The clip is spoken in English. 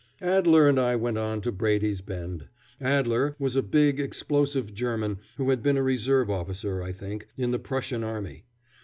Adler and I went on to Brady's Bend. Adler was a big, explosive German who had been a reserve officer, I think, in the Prussian army.